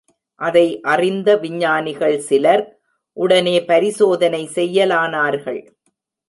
அதை அறிந்த விஞ்ஞானிகள் சிலர் உட்னே பரிசோதனை செய்யலானார்கள்.